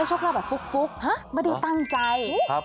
โชคลาภแบบฟุกฮะไม่ได้ตั้งใจ